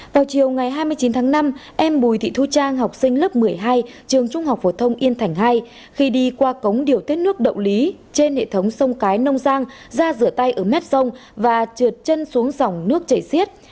vào chiều ngày hai mươi chín tháng năm em bùi thị thu trang học sinh lớp một mươi hai trường trung học phổ thông yên thành hai khi đi qua cống điều tiết nước động lý trên hệ thống sông cái nông giang ra rửa tay ở mép sông và trượt chân xuống dòng nước chảy xiết